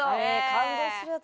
感動するやつだ。